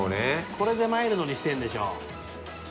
これでマイルドにしてるんでしょ？